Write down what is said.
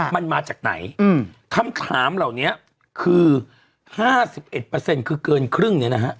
มันมาจากไหนคำถามเหล่านี้คือ๕๑คือเกินครึ่งเนี่ยนะฮะ